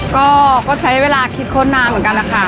ก็ใช้เวลาคิดค้นนานเหมือนกันนะคะ